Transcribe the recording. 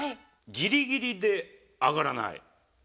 「ギリギリで上がらない」。